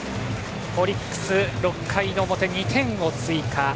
オリックス６回の表、２点を追加。